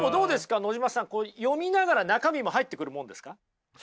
野島さん読みながら中身も入ってくるものですか？